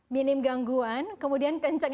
minim gangguan kemudian kenceng